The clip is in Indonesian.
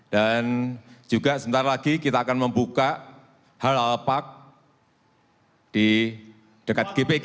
dan juga sebentar lagi kita akan membuka halal park di dekat gpk